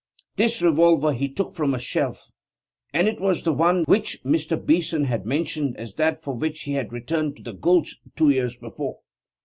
This revolver he took from a shelf, and it was the one which Mr. Beeson had mentioned as that for which he had returned to the gulch two years before.